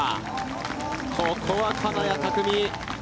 ここは金谷拓実。